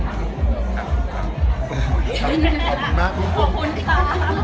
หรือแสบสนุทธิ์นี้ก็จะไปได้กันได้